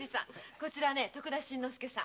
こちら徳田新之助さん。